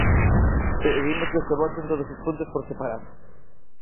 Pedimos que se voten todos os puntos por separado.